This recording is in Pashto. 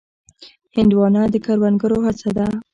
هندوانه د کروندګرو هڅه ده.